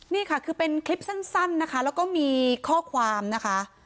นี่ค่ะคือเป็นคลิปสั้นนะคะแล้วก็มีข้อความนะคะ